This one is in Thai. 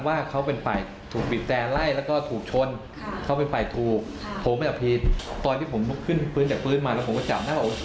ว่าเขาเป็นฝ่ายถูกบีบแต่ไล่แล้วก็ถูกชนเขาเป็นฝ่ายถูกผมอ่ะผิดตอนที่ผมขึ้นปืนจากพื้นมาแล้วผมก็จับได้ว่าโอเค